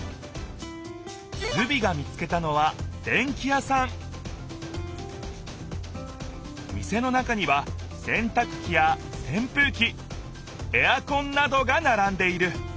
ズビが見つけたのは店の中にはせんたくきやせんぷうきエアコンなどがならんでいる。